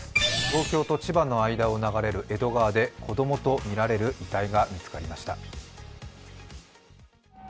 東京と千葉の間を流れる江戸川で子供とみられる遺体が見つかりました。